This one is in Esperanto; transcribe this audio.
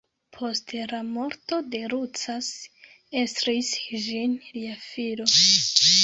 Post la morto de Lucas estris ĝin lia filo.